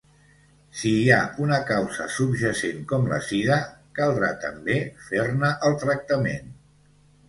Si hi ha una causa subjacent com la sida, caldrà també fer-ne el tractament.